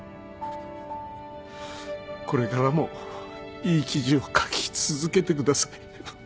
これからもいい記事を書き続けてください。